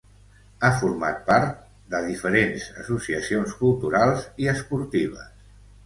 Ha format part de diferents associacions culturals i esportives.